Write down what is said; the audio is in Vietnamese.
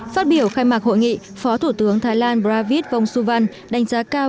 phát biểu khai mạc hội nghị phó thủ tướng thái lan bravit vong suvan đánh giá cao